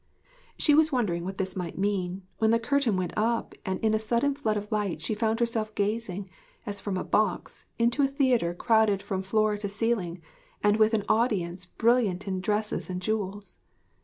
She was wondering what this might mean, when the curtain went up and in a sudden flood of light she found herself gazing, as from a box, into a theatre crowded from floor to ceiling, and with an audience brilliant in dresses and jewels.